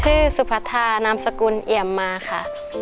ชื่อสุภาธานามสกุลเอี่ยมมาค่ะ